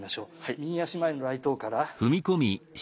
右足前の雷刀から。